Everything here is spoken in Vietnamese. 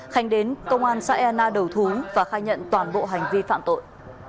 khánh đến công an sà e na đầu thú và khai nhận toàn bộ hành vi phạm tội